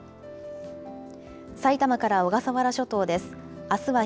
さいたまから小笠原諸島です。